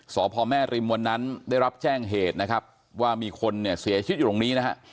สพแม่ริมวันนั้นได้รับแจ้งเหตุนะครับว่ามีคนเนี่ยเสียชีวิตอยู่ตรงนี้นะฮะ